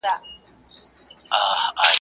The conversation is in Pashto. هر یوه وه را اخیستي تومنونه.